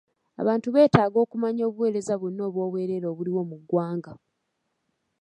Abantu beetaaga okumanya obuweereza bwonna obw'obwereere obuliwo mu ggwanga.